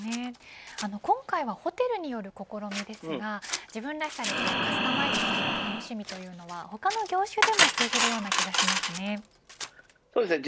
今回はホテルによる試みですが自分らしさでカスタマイズしていく楽しみというのは他の業種でも通じるような気がしますよね。